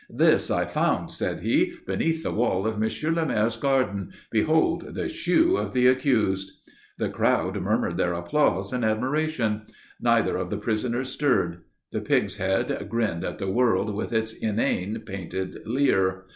"This I found," said he, "beneath the wall of Monsieur le Maire's garden. Behold the shoe of the accused." The crowd murmured their applause and admiration. Neither of the prisoners stirred. The pig's head grinned at the world with its inane, painted leer.